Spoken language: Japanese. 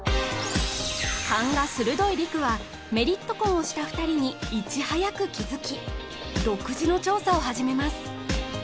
勘が鋭い陸はメリット婚をした２人にいち早く気づき独自の調査を始めます